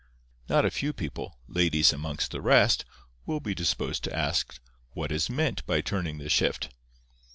Not a few people—ladies, amongst the rest—will be disposed to ask what is meant by turning the shift.